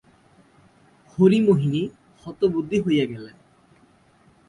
হরিমোহিনী হতবুদ্ধি হইয়া গেলেন।